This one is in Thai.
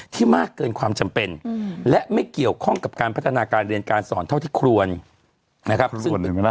มากเกินความจำเป็นและไม่เกี่ยวข้องกับการพัฒนาการเรียนการสอนเท่าที่ควรนะครับ